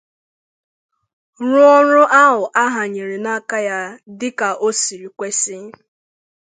rụọ ọrụ ahụ a hànyèrè ha n'aka dịka o siri kwesi